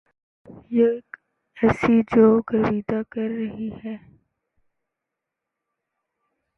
یک ایسی جو گرویدہ کر رہی ہے